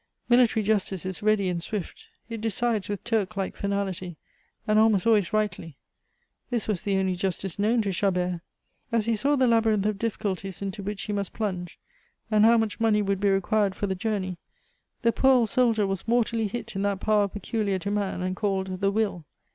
Military justice is ready and swift; it decides with Turk like finality, and almost always rightly. This was the only justice known to Chabert. As he saw the labyrinth of difficulties into which he must plunge, and how much money would be required for the journey, the poor old soldier was mortally hit in that power peculiar to man, and called the Will.